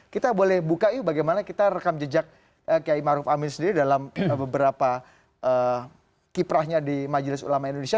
kita boleh buka yuk bagaimana kita rekam jejak kiai maruf amin sendiri dalam beberapa kiprahnya di majelis ulama indonesia